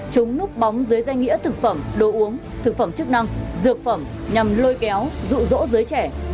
chúng núp bóng dưới danh nghĩa thực phẩm đồ uống thực phẩm chức năng dược phẩm nhằm lôi kéo rụ rỗ giới trẻ